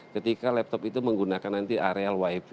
ketika laptop itu menggunakan nanti areal wifi